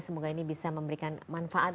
semoga ini bisa memberikan manfaat